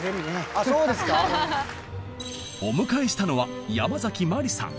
あそうですか？お迎えしたのはヤマザキマリさん。